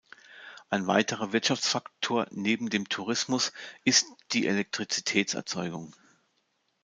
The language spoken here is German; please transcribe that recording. Ein weiterer Wirtschaftsfaktor neben dem Tourismus ist die Elektrizitätserzeugung.